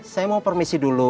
saya mau permisi dulu